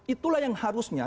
itulah yang harusnya